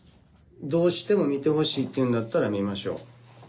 どうしても見てほしいっていうんだったら見ましょう。